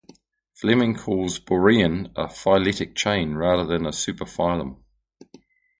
Fleming calls Borean a "phyletic chain" rather than a super-phylum.